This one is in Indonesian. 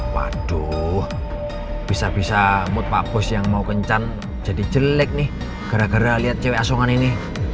maksudnya bisa mood pak bos yang mau kencan jadi jelek nih gara gara liat cewek asongan ini